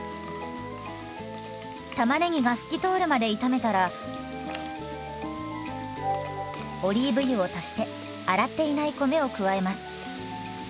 たまねぎが透き通るまで炒めたらオリーブ油を足して洗っていない米を加えます。